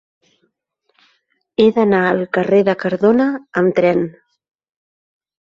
He d'anar al carrer de Cardona amb tren.